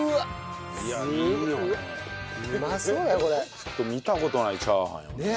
ちょっと見た事ないチャーハンよね。